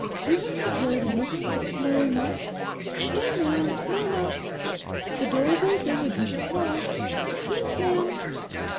'You have not heard anything—no knock?' 'No, ma'am, no knock.' 'The door is open if you should call.' 'Yes, ma'am.